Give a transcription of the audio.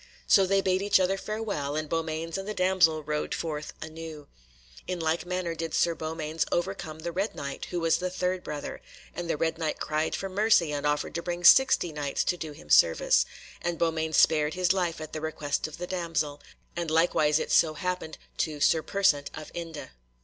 So they bade each other farewell, and Beaumains and the damsel rode forth anew. In like manner did Sir Beaumains overcome the Red Knight, who was the third brother, and the Red Knight cried for mercy, and offered to bring sixty Knights to do him service, and Beaumains spared his life at the request of the damsel, and likewise it so happened to Sir Persant of Inde.